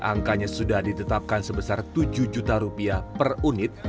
angkanya sudah ditetapkan sebesar tujuh juta rupiah per unit